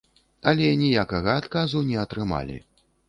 Але ніякага адказу не атрымалі.